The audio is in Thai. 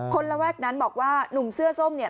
ระแวกนั้นบอกว่าหนุ่มเสื้อส้มเนี่ย